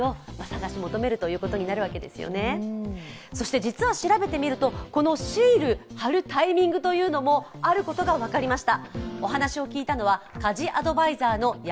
実は調べてみるとこのシールを貼るタイミングもあることが分かりました。